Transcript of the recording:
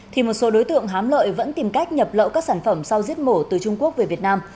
thì một số đối tượng hám lợi vẫn tìm cách nhập lậu các sản phẩm sau giết mổ từ trung quốc về việt nam